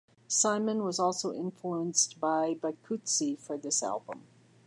Simon was also influenced by bikutsi for this album.